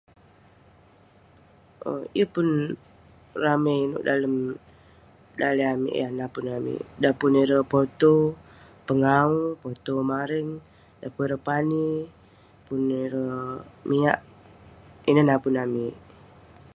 Owk..yeng pun ramey inouk dalem daleh amik yah napun amik..dan pun ireh potew pengawu, potew mareng, dan ireh pani, pun ireh miak, ineh napun amik..